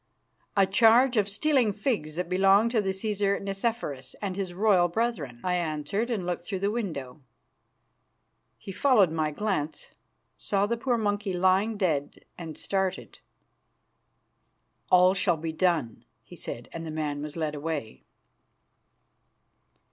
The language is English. "A charge of stealing figs that belonged to the Cæsar Nicephorus and his royal brethren," I answered, and looked through the window. He followed my glance, saw the poor monkey lying dead, and started. "All shall be done," he said, and the man was led away.